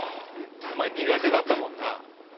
お前苦手だったもんな。